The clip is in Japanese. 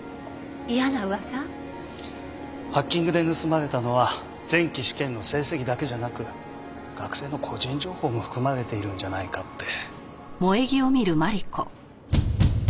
ハッキングで盗まれたのは前期試験の成績だけじゃなく学生の個人情報も含まれているんじゃないかって。